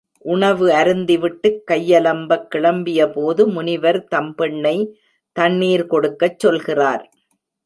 உணவு அருந்தி விட்டுக் கையலம்பக் கிளம்பியபோது, முனிவர் தம் பெண்ணை தண்ணீர் கொடுக்கச் சொல்கிறார்.